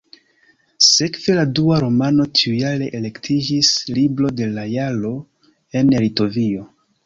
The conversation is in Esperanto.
Sekve la dua romano tiujare elektiĝis "Libro de la Jaro" en Litovio.